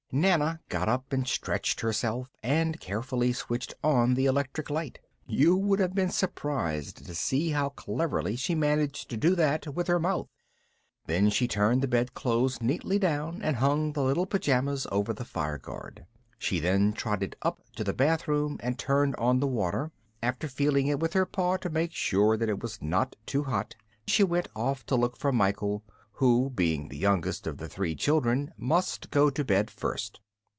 Nana got up, and stretched herself, and carefully switched on the electric light. You would have been surprised to see how cleverly she managed to do that with her mouth. Then she turned the bedclothes neatly down and hung the little pyjamas over the fire guard. She then trotted up to the bathroom and turned on the water; after feeling it with her paw to make sure that it was not too hot, she went off to look for Michael, who, being the youngest of the three children, must go to bed first.